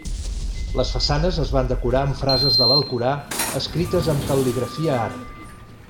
Les façanes es van decorar amb frases de l'Alcorà escrites amb cal·ligrafia àrab.